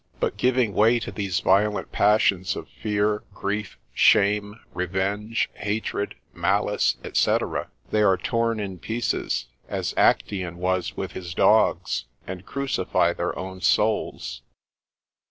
But giving way to these violent passions of fear, grief, shame, revenge, hatred, malice, &c., they are torn in pieces, as Actaeon was with his dogs, and crucify their own souls.